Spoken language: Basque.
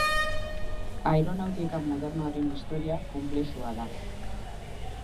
Aeronautika modernoaren historia konplexua da.